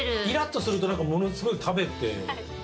イラッとすると何かものすごい食べて。